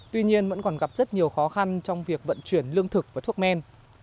tuy nhiên vẫn còn gặp rất nhiều khó khăn trong việc vận chuyển lương thực và thuốc men